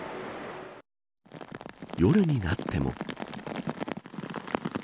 夜になっても。